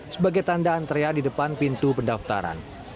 sebagai tanda antrean di depan pintu pendaftaran